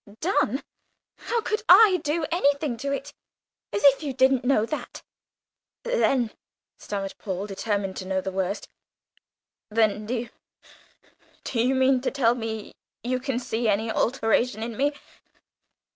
"Done! how could I do anything to it? As if you didn't know that!" "Then," stammered Paul, determined to know the worst, "then do you, do you mean to tell me you can see any alteration in me?